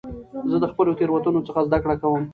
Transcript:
زه د خپلو تېروتنو څخه زده کړه کوم.